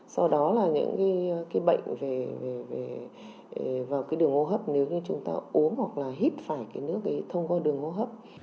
sau đó là những cái bệnh về vào cái đường hô hấp nếu như chúng ta uống hoặc là hít phải cái nước thông qua đường hô hấp